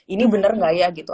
ini bener nggak ya gitu